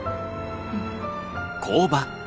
うん。